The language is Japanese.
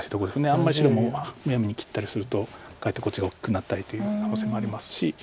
あんまり白もむやみに切ったりするとかえってこっちが大きくなったりという可能性もありますし。